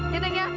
ya neng ya